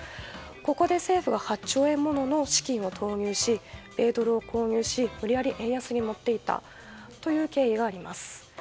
ここで政府は８兆円もの資金を投入し米ドルを購入し無理やり円安に持っていったという経緯があります。